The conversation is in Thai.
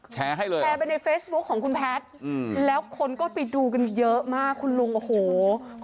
แชร์ไปฟเฟซบุ๊กของคุณแพทย์แล้วก็มายังจะไปดูพี่ลุงก็ติดเมล็ดมาก